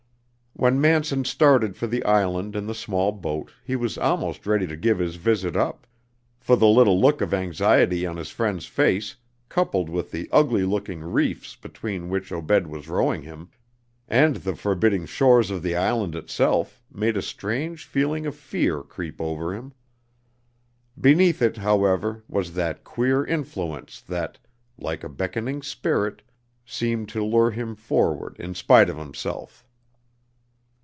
When Manson started for the island in the small boat he was almost ready to give his visit up, for the little look of anxiety on his friend's face, coupled with the ugly looking reefs between which Obed was rowing him, and the forbidding shores of the island itself, made a strange feeling of fear creep over him. Beneath it, however, was that queer influence that, like a beckoning spirit, seemed to lure him forward in spite of himself.